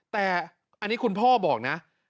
แต่อันนี้คุณพ่อบอกนะ